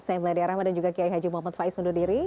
saya meladia rahma dan juga kiai haji muhammad faiz undur diri